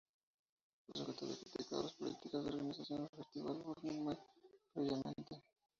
El sujeto había criticado las políticas de la organización del Festival "Burning Man" previamente.